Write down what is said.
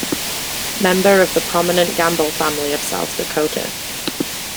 Member of the prominent Gamble family of South Dakota.